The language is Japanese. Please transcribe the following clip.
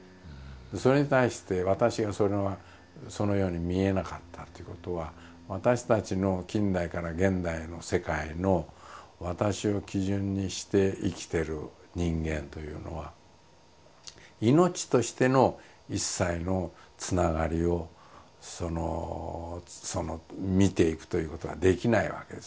それに対して私がそれはそのように見えなかったっていうことは私たちの近代から現代の世界の「私」を基準にして生きてる人間というのは命としての一切のつながりを見ていくということができないわけですね。